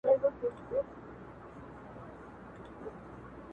دادی ټکنده غرمه ورباندي راغله.